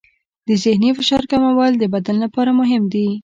د ذهني فشار کمول د بدن لپاره مهم دي.